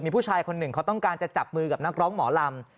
มีผู้ชายคนหนึ่งเขาต้องการจะจับมือกับนักร้องหมอลำ